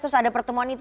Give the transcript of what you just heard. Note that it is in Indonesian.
terus ada pertemuan itu